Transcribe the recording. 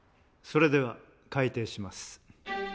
それでは開廷します。